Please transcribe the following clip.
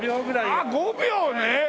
ああ５秒ね！